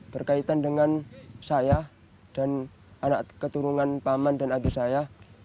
berkaitan dengan saya dan anak keturunan paman dan adik saya